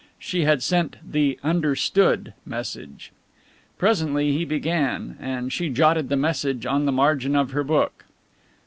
She had sent the "Understood" message. Presently he began and she jotted the message on the margin of her book.